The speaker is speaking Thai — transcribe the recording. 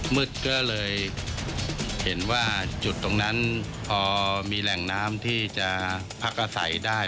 มืดก็เลยเห็นว่าจุดตรงนั้นพอมีแหล่งน้ำที่จะพักอาศัยได้